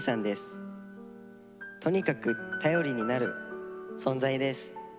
とにかく頼りになる存在です。